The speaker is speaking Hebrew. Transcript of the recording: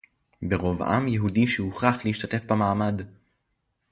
ברוב עם יהודי שהוכרח להשתתף במעמד